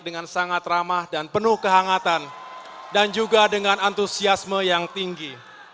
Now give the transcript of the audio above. dengan sangat ramah dan penuh kehangatan dan juga dengan antusiasme yang tinggi